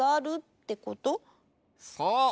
そう。